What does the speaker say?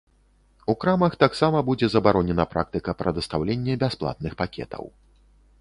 У крамах таксама будзе забаронена практыка прадастаўлення бясплатных пакетаў.